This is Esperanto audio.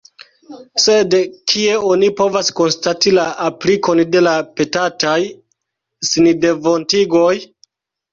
Sed kie oni povas konstati la aplikon de la petataj sindevontigoj?